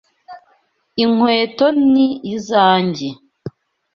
Inkweto ni izanjye.